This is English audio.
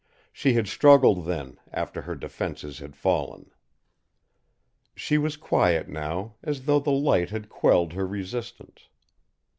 She had struggled then, after her defenses had fallen. She was quiet now, as though the light had quelled her resistance.